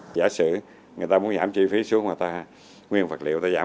giả sử người ta muốn giảm chi phí xuống người ta nguyên vật liệu ta giảm